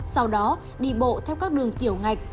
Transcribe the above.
sau đó đi bộ theo các đường tiểu ngạch